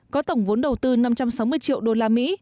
có tổng vốn đầu tư năm trăm sáu mươi triệu đô la mỹ